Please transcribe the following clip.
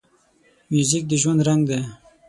موزیک د ژوند رنګ دی.